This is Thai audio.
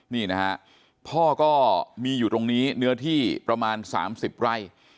นี่นะฮะพ่อก็มีอยู่ตรงนี้เนื้อที่ประมาณ๓๐ไร่